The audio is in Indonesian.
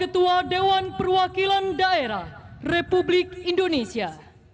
tanda kebesaran buka